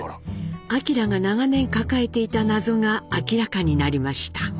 明が長年抱えていた謎が明らかになりました。